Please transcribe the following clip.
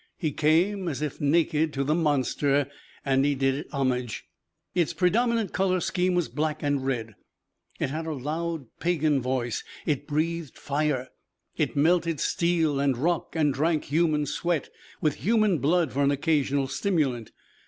He came, as if naked, to the monster and he did it homage. Its predominant colour scheme was black and red. It had a loud, pagan voice. It breathed fire. It melted steel and rock and drank human sweat, with human blood for an occasional stimulant.